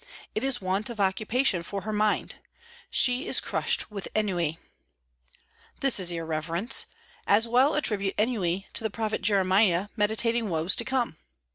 It is want of occupation for her mind. She is crushed with ennui." "This is irreverence. As well attribute ennui to the Prophet Jeremiah meditating woes to come."